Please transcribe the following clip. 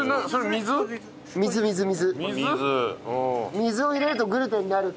水を入れるとグルテンになるって。